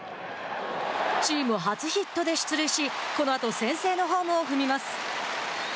チーム初ヒットで出塁しこのあと先制のホームを踏みます。